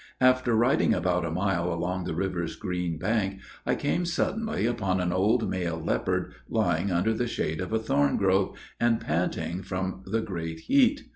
After riding about a mile along the river's green bank, I came suddenly upon an old male leopard, lying under the shade of a thorn grove, and panting from the great heat.